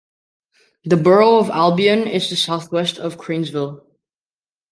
The borough of Albion is southwest of Cranesville.